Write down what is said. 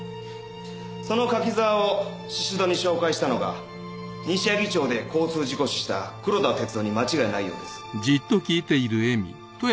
その柿沢を宍戸に紹介したのが西柳町で交通事故死した黒田哲生に間違いないようです。